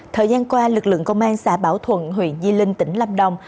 thời gian qua lực lượng công an xã bảo thuận huyện di linh tỉnh lâm đồng